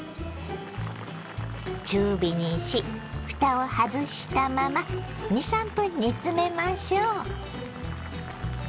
中火にしふたを外したまま２３分煮詰めましょう。